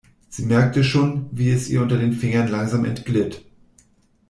Sie merkte schon, wie es ihr unter den Fingern langsam entglitt.